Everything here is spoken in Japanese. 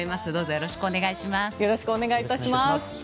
よろしくお願いします。